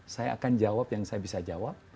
saya akan jawab yang saya bisa jawab